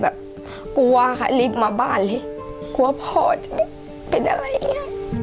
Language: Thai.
กลัวค่ะรีบมาบ้านเลยกลัวพ่อจะเป็นอะไรอย่างเงี้ย